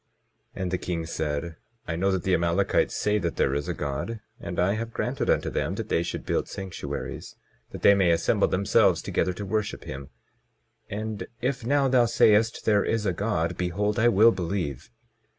And the king said: I know that the Amalekites say that there is a God, and I have granted unto them that they should build sanctuaries, that they may assemble themselves together to worship him. And if now thou sayest there is a God, behold I will believe.